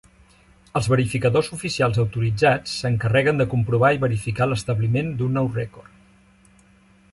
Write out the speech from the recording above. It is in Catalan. Els verificadors oficials autoritzats s'encarreguen de comprovar i verificar l'establiment d'un nou rècord.